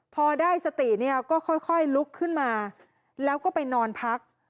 พอได้สติเนี่ยก็ค่อยลุกขึ้นมาแล้วก็ไปนอนพัก